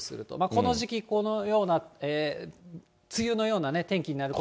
この時期、このような梅雨のようなね、天気になることも。